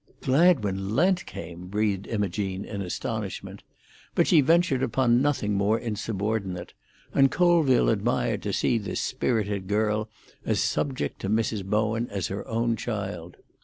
"Glad when Lent came!" breathed Imogene, in astonishment; but she ventured upon nothing more insubordinate, and Colville admired to see this spirited girl as subject to Mrs. Bowen as her own child.